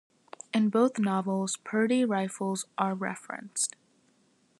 In both novels, Purdey rifles are referenced.